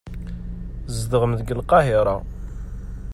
Tzedɣem deg Lqahira.